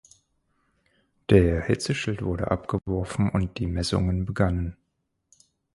Der Hitzeschild wurde abgeworfen und die Messungen begannen.